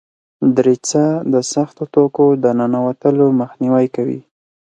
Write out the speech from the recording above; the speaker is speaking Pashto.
دریڅه د سختو توکو د ننوتلو مخنیوی کوي.